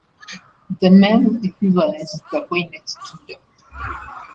The male equivalent is the boy next door.